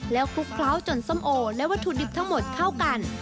แล้วคลุกเคล้าจนส้มโอและวัตถุดิบทั้งหมดเข้ากัน